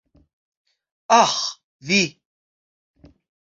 Aĥ, vi.